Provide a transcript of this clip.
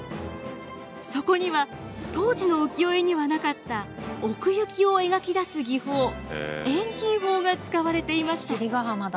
そこには当時の浮世絵にはなかった奥行きを描き出す技法遠近法が使われていました。